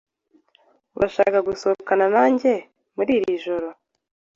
Urashaka gusohokana nanjye muri iri joro?